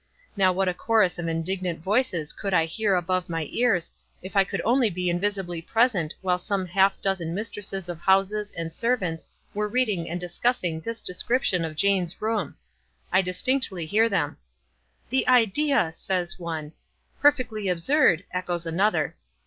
Now what a chorus of indignant voices could I hear above my ears if I could only be invisibly present while some half dozen mis tresses of houses and servants were reading and discussing this description of Jane's room ! I distinctly hear them. "The idea !" says one. "Perfectly absurd !" echoes another.